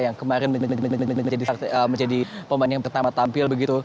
dan kemudian kemudian kemudian kemudian kemudian menjadi pemain yang pertama tampil begitu